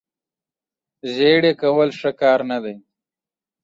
زیړې کول ښه کار نه دی.